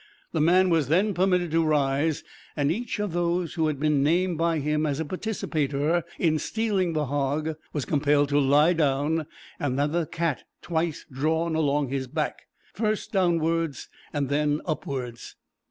The man was then permitted to rise, and each of those who had been named by him as a participator in stealing the hog, was compelled to lie down, and have the cat twice drawn along his back; first downwards, and then upwards.